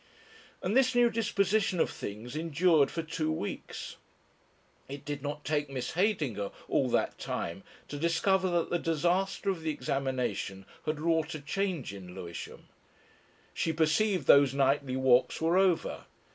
And this new disposition of things endured for two weeks. It did not take Miss Heydinger all that time to discover that the disaster of the examination had wrought a change in Lewisham. She perceived those nightly walks were over.